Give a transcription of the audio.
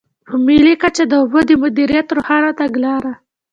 په ملي کچه د اوبو د مدیریت روښانه تګلاره.